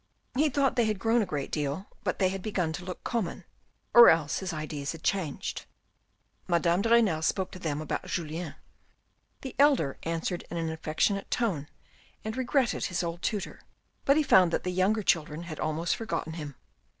He thought they had grown a great deal, but they had begun to look common, or else his ideas had changed. Madame de Renal spoke to them about Julien. The elder answered in an affectionate tone and regretted his old tutor, but he found that the younger children had almost forgotten him.